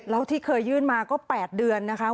แล้วที่เคยยื่นมาก็๘เดือนนะคะ